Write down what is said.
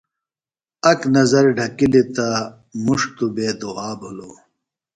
اک نظر ڈھکِلی تہ مُݜ توۡ بے دُھوا بِھلو۔ۡ